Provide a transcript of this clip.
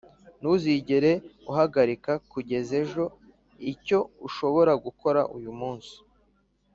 ntuzigere uhagarika kugeza ejo icyo ushobora gukora uyu munsi